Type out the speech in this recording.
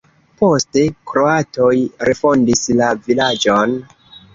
Poste kroatoj refondis la vilaĝon.